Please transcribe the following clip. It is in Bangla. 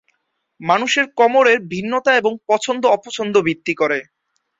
মানুষের কোমরের ভিন্নতা এবং পছন্দ-অপছন্দ ভিত্তি করে।